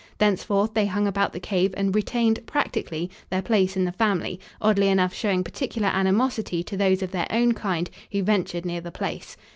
Thenceforth they hung about the cave and retained, practically, their place in the family, oddly enough showing particular animosity to those of their own kind who ventured near the place.